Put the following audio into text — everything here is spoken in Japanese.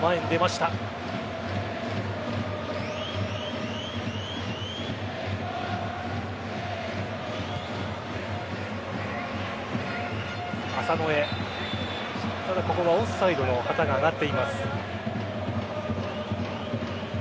ただ、ここはオフサイドの旗が上がっています。